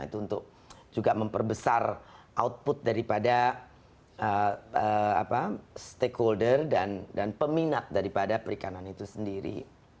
itu untuk juga memperbesar output daripada stakeholder dan peminat daripada perikanan itu sendiri